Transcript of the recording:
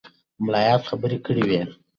ملایانو خبرې کړې وې.